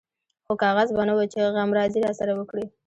خو کاغذ به نه و چې غمرازي راسره وکړي.